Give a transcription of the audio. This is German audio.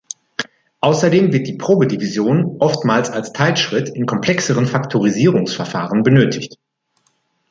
Außerdem wird die Probedivision oftmals als Teilschritt in komplexeren Faktorisierungsverfahren benötigt.